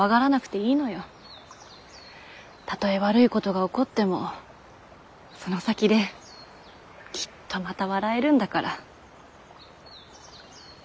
たとえ悪いことが起こってもその先できっとまた笑えるんだから。